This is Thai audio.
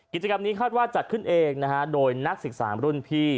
กิจกรรมนี้คาดว่าจัดขึ้นเองนะฮะโดยนักศึกษารุ่นพี่